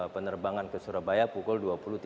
penerbangan ke surabaya pukul dua puluh tiga